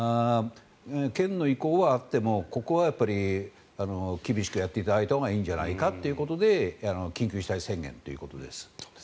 県の意向はあってもここは厳しくやっていただいたほうがいいんじゃないかということで緊急事態宣言ということです。